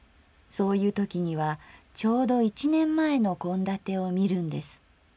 そういうときにはちょうど一年前の献立を見るんです。